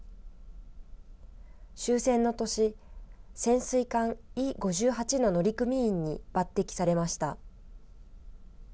終戦の年、潜水艦、伊５８の乗組員に抜てきされました。